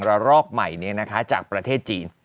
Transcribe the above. รอกใหม่จากประเทศจีน